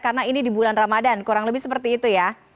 karena ini di bulan ramadhan kurang lebih seperti itu ya